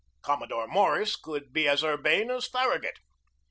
Commodore Morris could be as urbane as Farragut.